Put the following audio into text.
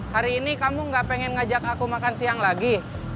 hari ini kamu gak pengen ngajak aku makan siang lagi